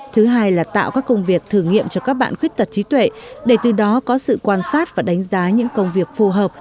thứ hai là tạo các công việc thử nghiệm cho các bạn khuyết tật trí tuệ để từ đó có sự quan sát và đánh giá những công việc phù hợp